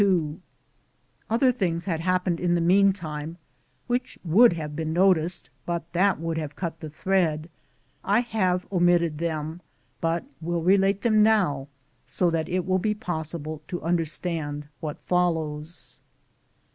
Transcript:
1 Other things had happened in the meantime, which would have been noticed, but that it would have cut the thread. I have omitted them, but will relate them now, so that it will be possible to understand what follows.